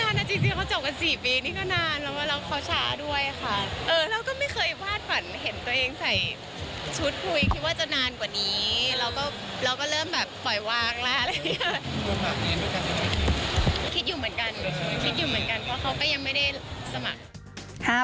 คิดอยู่เหมือนกันเพราะเขาก็ยังไม่ได้สมัคร